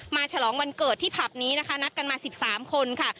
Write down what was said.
มาฉลองวันเกิดที่พลับนี้นะคะนัดกันมาสิบสามคนค่ะ